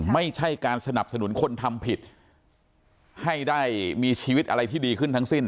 ไม่ใช่การสนับสนุนคนทำผิดให้ได้มีชีวิตอะไรที่ดีขึ้นทั้งสิ้น